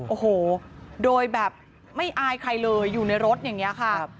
โอ้โหโดยแบบไม่อายใครเลยอยู่ในรถอย่างนี้ค่ะ